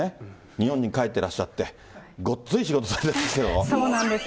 日本に帰ってらっしゃってごっつい仕事されてるんですよ。